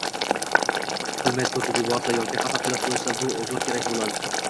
bilmay turtib yuborsa yoki xafa qilib qo‘ysa, bu “uzr” kerak bo‘ladi.